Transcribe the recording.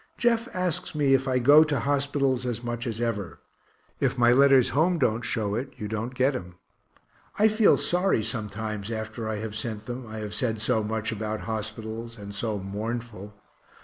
Jeff asks me if I go to hospitals as much as ever. If my letters home don't show it, you don't get 'em. I feel sorry sometimes after I have sent them, I have said so much about hospitals, and so mournful.